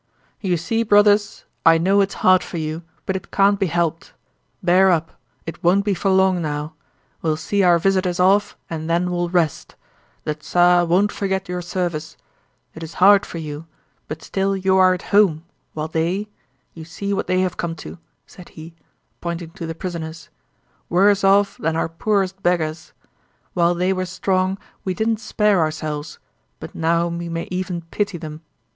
"You see, brothers, I know it's hard for you, but it can't be helped! Bear up; it won't be for long now! We'll see our visitors off and then we'll rest. The Tsar won't forget your service. It is hard for you, but still you are at home while they—you see what they have come to," said he, pointing to the prisoners. "Worse off than our poorest beggars. While they were strong we didn't spare ourselves, but now we may even pity them.